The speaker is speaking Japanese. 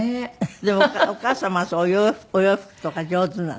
でもお母様はそういうお洋服とか上手なの？